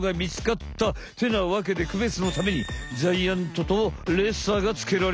ってなわけでくべつのためにジャイアントとレッサーがつけられた。